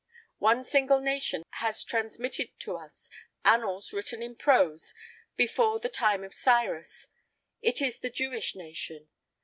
One single nation has transmitted to us annals, written in prose, before the time of Cyrus: it is the Jewish nation.